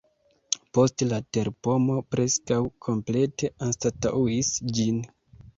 Poste la terpomo preskaŭ komplete anstataŭis ĝin.